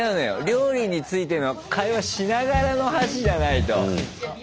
料理についての会話しながらの箸じゃないと。